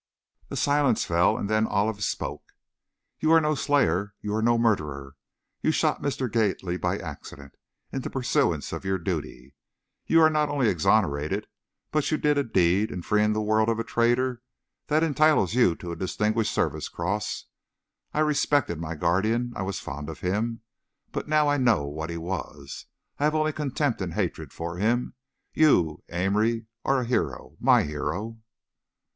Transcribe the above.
A silence fell; and then Olive spoke. "You are no slayer, you are no murderer. You shot Mr. Gately by accident, in the pursuance of your duty. You are not only exonerated, but you did a deed, in freeing the world of a traitor, that entitles you to a Distinguished Service Cross! I respected my guardian, I was fond of him, but now I know what he was. I have only contempt and hatred of him! You, Amory, are a hero! my hero."